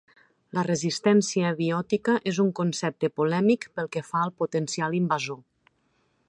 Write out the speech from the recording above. La resistència biòtica és un concepte polèmic pel que fa al potencial invasor.